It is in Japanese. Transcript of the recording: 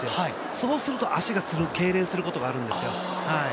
そうすると足がつる、けいれんすることがあるんですよ。